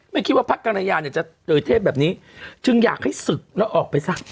ไม่คิดว่าพระกรณญาจะเจอเทพแบบนี้ถึงอยากให้ศึกแล้วออกไปซัก